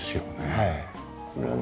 はい。